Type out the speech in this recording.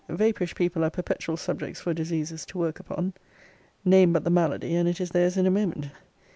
Vapourish people are perpetual subjects for diseases to work upon. Name but the malady, and it is theirs in a moment.